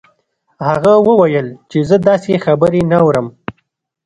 هغه وویل چې زه داسې خبرې نه اورم